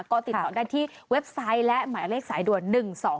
ก็ติดต่อได้ที่เว็บไซต์และหมายเลขสายด่วน๑๒๒